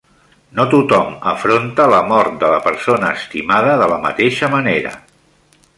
No tothom afronta la mort de la persona estimada de la mateixa manera.